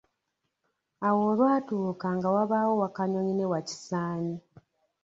Awo olwatuuka nga wabaawo Wakanyonyi ne Wakisaanyi.